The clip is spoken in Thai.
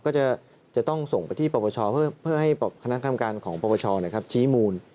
ก็จะต้องส่งไปที่ประวัติศาสตร์เพื่อให้คณะคำการของประวัติศาสตร์ชี้มูล